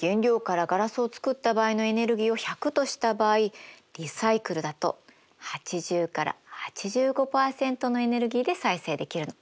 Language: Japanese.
原料からガラスを作った場合のエネルギーを１００とした場合リサイクルだと８０から８５％のエネルギーで再生できるの。